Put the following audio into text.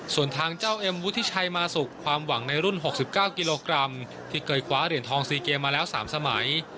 ส่วนทางเจ้าเอ็มวุฒิชัยมาสุกความหวังในรุ่น๖๙กิโลกรัมที่เคยคว้าเหรียญทอง๔เกมมาแล้ว๓สมัย